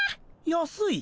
安い。